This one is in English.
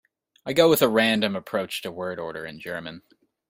I go with a random approach to word order in German.